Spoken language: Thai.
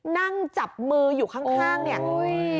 นั่งจับมืออยู่ข้างเนี่ย